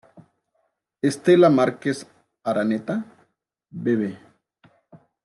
Stella Márquez-Araneta, Bb.